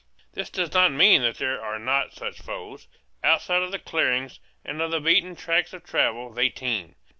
This does not mean that there are not such foes. Outside of the clearings, and of the beaten tracks of travel, they teem.